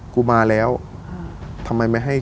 กูมาแล้วทำไมไม่ให้